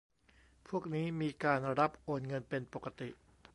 พวกนี้มีการรับโอนเงินเป็นปกติ